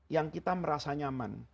yang kita merasa nyaman